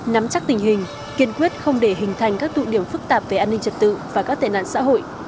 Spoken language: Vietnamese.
nắm chắc tình hình kiên quyết không để hình thành các tụ điểm phức tạp về an ninh trật tự và các tệ nạn xã hội